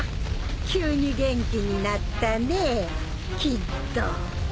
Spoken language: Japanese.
急に元気になったねぇキッド。